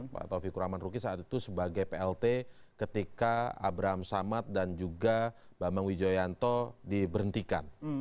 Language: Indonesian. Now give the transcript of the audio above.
pak taufik kuraman ruki saat itu sebagai plt ketika abraham samad dan juga bambang wijoyanto diberhentikan